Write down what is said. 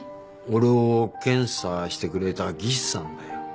俺を検査してくれた技師さんだよ。